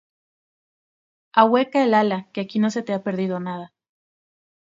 Ahueca el ala que aquí no se te ha perdido nada